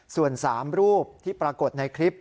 ส่วน๓รูปที่ปรากฏในคลิป